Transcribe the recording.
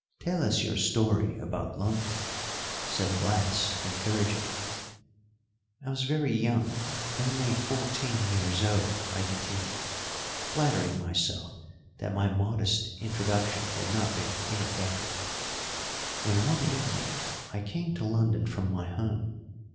Tell us your story about London," said Blas encouragingly. "I was very young only fourteen years old," I continued, flattering myself that my modest introduction had not been ineffective, "when one evening I came to London from my home.